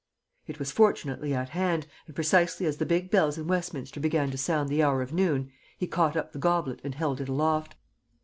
"It was fortunately at hand, and precisely as the big bells in Westminster began to sound the hour of noon, he caught up the goblet and held it aloft.